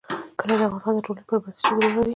کلي د افغانستان د ټولنې لپاره بنسټيز رول لري.